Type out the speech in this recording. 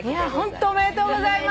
ホントおめでとうございます。